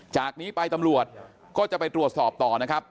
จากนี้ไปตำรวจก็จะไปตรวจสอบต่อนะครับ